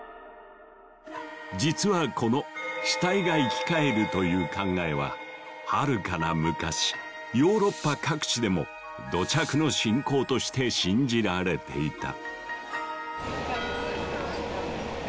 実はこの「死体が生き返る」という考えははるかな昔ヨーロッパ各地でも土着の信仰として信じられていた。